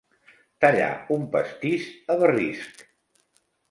Tallar un pastís a barrisc.